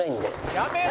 「やめろ！